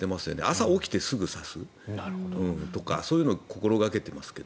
朝起きてすぐに差すとかそういうのを心掛けていますが。